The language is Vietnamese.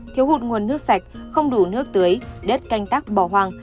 thiếu hụt nguồn nước sạch không đủ nước tưới đất canh tác bỏ hoang